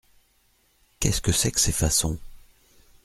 Qu’est-ce que c’est que ces façons ?